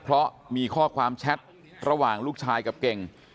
เพราะมีข้อความแชทระหว่างลูกชายกับเก่ง